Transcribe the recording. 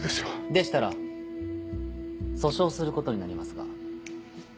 でしたら訴訟することになりますが。